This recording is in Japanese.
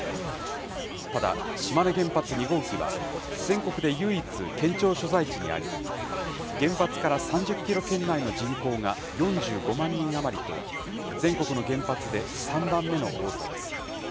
ただ、島根原発２号機は全国で唯一、県庁所在地にあり、原発から３０キロ圏内の人口が４５万人余りと、全国の原発で３番目の多さです。